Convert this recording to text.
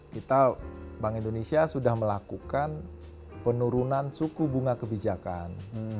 kita bank indonesia sudah melakukan penurunan suku bunga kebijakan